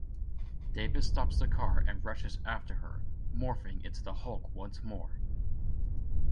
David stops the car and rushes after her, morphing into the Hulk once more.